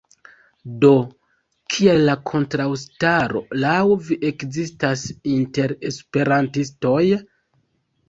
Do, kial la kontraŭstaro laŭ vi ekzistas inter esperantistoj?